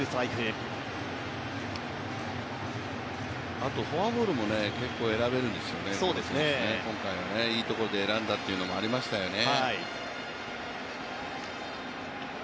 あとフォアボールも結構選べるんですよね、今回はいいところで選んだというのがありましたよね。